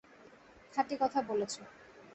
খাঁটি কথা বলেছ।